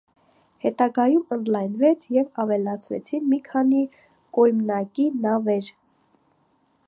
Հետագայում ընդլայնվեց և ավելացվեցին մի քանի կոյմնակի նավեր։